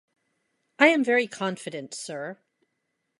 I am very confident, Sir.